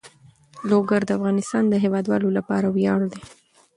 لوگر د افغانستان د هیوادوالو لپاره ویاړ دی.